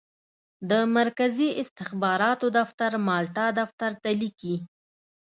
د مرکزي استخباراتو دفتر مالټا دفتر ته لیکي.